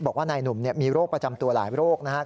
บอกว่านายหนุ่มมีโรคประจำตัวหลายโรคนะครับ